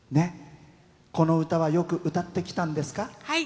この歌はよく歌ってきたんですか？